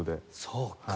そうか。